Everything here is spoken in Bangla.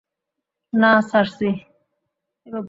না, সার্সি!